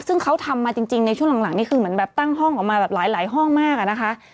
ซึ่งเขาทำมาจริงในช่วงหลังนี่คือเหมือนแบบตั้งห้องออกมาแบบหลายห้องมากอะนะคะ